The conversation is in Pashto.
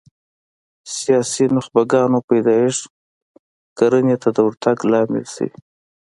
سیاسي نخبګانو پیدایښت کرنې ته د ورتګ لامل شوي